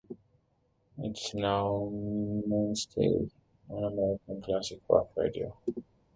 It is now a mainstay on American classic rock radio.